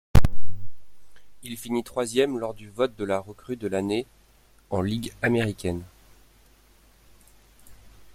Il finit troisième lors du vote de la recrue de l'année en Ligue américaine.